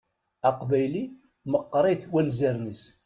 Aqbayli meqqeṛ-it wanzaren-is.